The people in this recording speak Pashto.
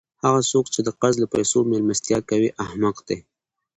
هغه څوک، چي د قرض له پېسو میلمستیا کوي؛ احمق دئ!